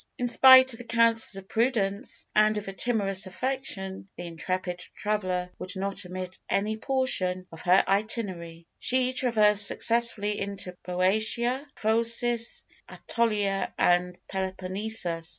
In spite of the counsels of prudence and of a timorous affection, the intrepid traveller would not omit any portion of her itinerary; she traversed successively into Boeotia, Phocis, Ætolia, and the Peloponnesus.